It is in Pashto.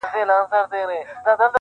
چي له ستوني دي آواز نه وي وتلی-